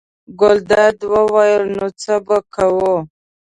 ګلداد وویل: نو څه به کوو.